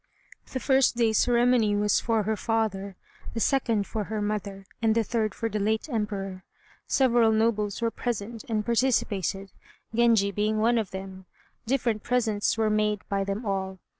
The first day's ceremony was for her father, the second for her mother, and the third for the late Emperor. Several nobles were present, and participated, Genji being one of them. Different presents were made by them all.